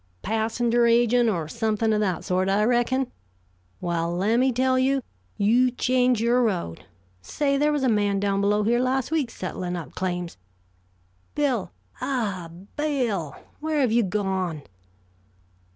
"Passenger agent, or something of that sort, I reckon? Well, let me tell you, you change your road. Say, there was a man down below here last week settling up claims Bill! Ah h, Bill! Where've you gone?"